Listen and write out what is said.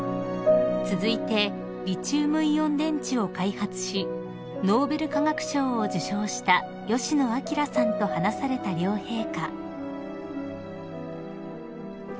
［続いてリチウムイオン電池を開発しノーベル化学賞を受賞した吉野彰さんと話された両陛下］